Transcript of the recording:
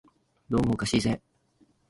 どうもおかしいぜ